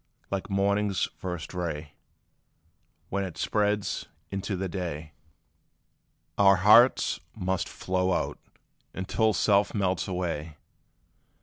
Like morning's first ray, When it spreads into day, Our hearts must flow out, until self melts away!